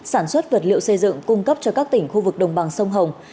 sản xuất vật liệu xây dựng cung cấp cho các tỉnh khu vực đồng bằng sông hồng